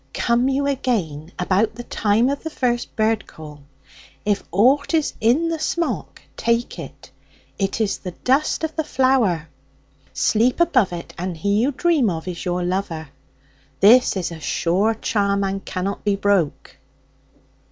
Come you again about the time of the first bird call. If aught is in the smock, take it; it is the dust of the flower. Sleep above it, and he you dream of is your lover. This is a sure charm, and cannot be broke.'